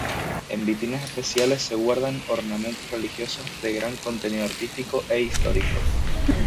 En vitrinas especiales se guardan ornamentos religiosos de gran contenido artístico e histórico.